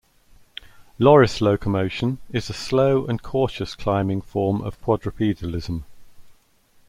Loris locomotion is a slow and cautious climbing form of quadrupedalism.